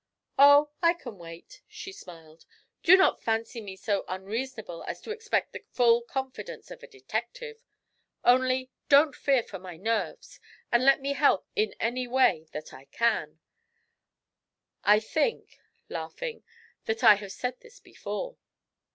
'Oh, I can wait,' she smiled. 'Do not fancy me so unreasonable as to expect the full confidence of a detective. Only, don't fear for my "nerves," and let me help in any way that I can. I think,' laughing, 'that I have said this before.'